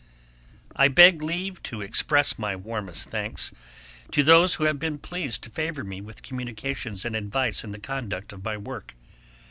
I beg leave to express my warmest thanks to those who have been pleased to favour me with communications and advice in the conduct of my Work.